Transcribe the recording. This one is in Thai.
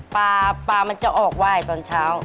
ปลาปลามันจะออกไหว้ตอนเช้า